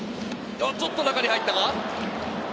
ちょっと中に入ったか？